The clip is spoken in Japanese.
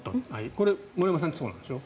これ、森山さん使ってるんでしょ？